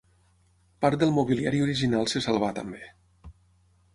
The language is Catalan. Part del mobiliari original se salvà, també.